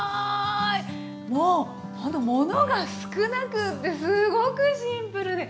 もうほんと物が少なくってすごくシンプルでいいですね